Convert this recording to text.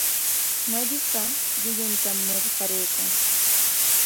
Malliqa llulluntam marqaraykan.